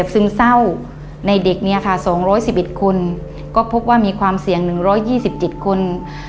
ซึ่งเศร้าในเด็ก๒๑๑คนมีความเสี่ยง๑๒๗คน